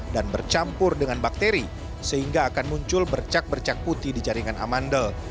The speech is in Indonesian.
dan bercampur dengan bakteri sehingga akan muncul bercak bercak putih di jaringan amandel